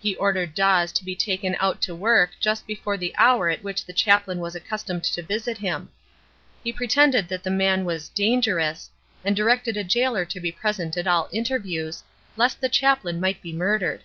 He ordered Dawes to be taken out to work just before the hour at which the chaplain was accustomed to visit him. He pretended that the man was "dangerous", and directed a gaoler to be present at all interviews, "lest the chaplain might be murdered".